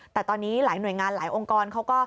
แต่ตอนนี้หลายหน่วยงานหลายองค์กรเขาก็